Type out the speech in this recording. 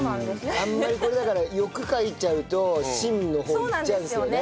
あんまりこれだから欲かいちゃうと芯の方にいっちゃうんですよね。